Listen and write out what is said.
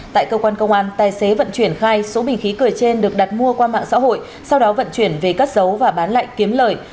tại cơ quan công an tài xế vận chuyển khai số bình khí cười trên được đặt mua qua mạng xã hội sau đó vận chuyển về cất giấu và bán lại kiếm lời